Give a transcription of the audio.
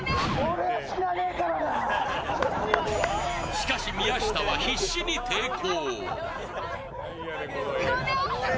しかし、宮下は必死に抵抗。